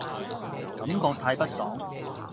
感覺太不爽